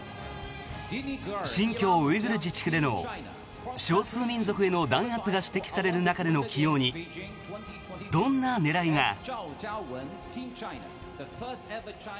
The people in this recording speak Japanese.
新疆ウイグル自治区での少数民族への弾圧が指摘される中での起用にどんな狙いが。